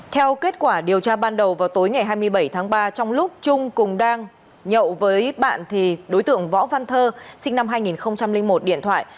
theo kết quả điều tra ban đầu vào tối ngày hai mươi bảy tháng ba trong lúc trung cùng đang nhậu với bạn thì đối tượng võ văn thơ sinh năm hai nghìn một điện thoại